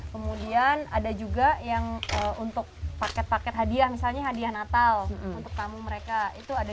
kemudian ada juga yang untuk paket paket hadiah misalnya hadiah natal untuk tamu mereka itu ada